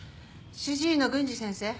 主治医の郡司先生